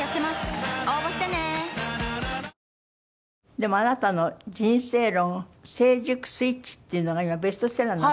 でもあなたの人生論『成熟スイッチ』っていうのが今ベストセラーになってる？